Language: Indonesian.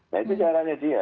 nah itu caranya dia